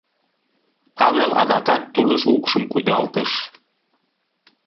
Павел адакат тулыш укшым кудалтыш.